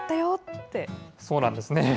そうなんですね。